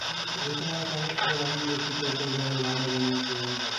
এ সময় সশস্ত্র বাহিনীর একটি চৌকস দল গার্ড অব অনার প্রদান করে।